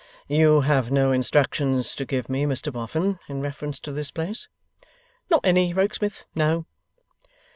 'You have no instructions to give me, Mr Boffin, in reference to this place?' 'Not any, Rokesmith. No.